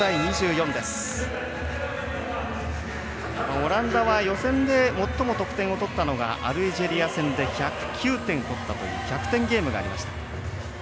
オランダは予選で最も得点を取ったのがアルジェリア戦で１０９点取ったという１００点ゲームがありました。